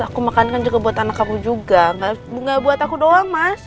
aku makan kan juga buat anak kamu juga bunga buat aku doang mas